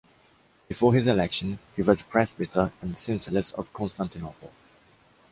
Before his election he was presbyter and syncellus of Constantinople.